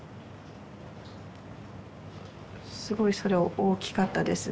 すごいそれを大きかったですね。